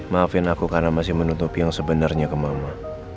maafin aku karena masih menutupi yang sebenarnya ke mama